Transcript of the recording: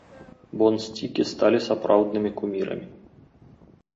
Бонсцікі сталі сапраўднымі кумірамі!